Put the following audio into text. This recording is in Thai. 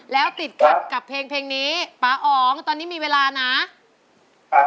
แล้วติดขัดกับเพลงนี้ป๊าอ๋องตอนนี้มีเวลานะ